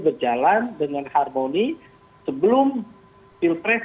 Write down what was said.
berjalan dengan harmoni sebelum pilpres